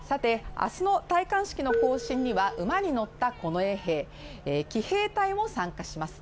明日の戴冠式の行進には馬に乗った近衛兵騎兵隊も参加します。